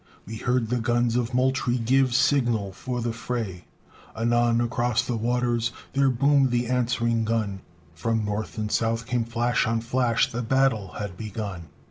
We heard the guns of Moultrie Give signal for the fray. Anon across the waters There boomed the answering gun, From north and south came flash on flash; The battle had begun.